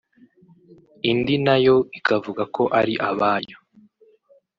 indi nayo ikavuga ko ari abayo